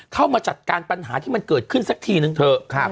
เข้ามาจัดการปัญหาที่มันเกิดขึ้นสักทีนึงเถอะ